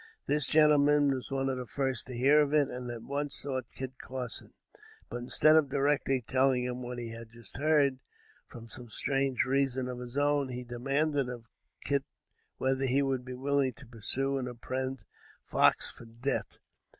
This gentleman was one of the first to hear of it, and at once sought Kit Carson; but instead of directly telling him what he had just heard, from some strange reason of his own, he demanded of Kit whether he would be willing to pursue and apprehend Fox for debt.